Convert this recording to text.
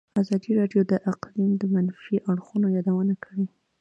ازادي راډیو د اقلیم د منفي اړخونو یادونه کړې.